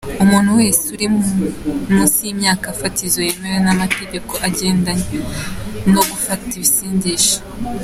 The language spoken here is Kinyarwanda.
Umuntu wese uri munsi y’imyaka fatizo yemewe n’amategeko agendanye no gufata ibisindisha.